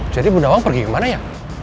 jadi bu nawang pergi ke mananya